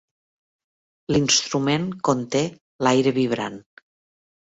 L'instrument conté l'aire vibrant.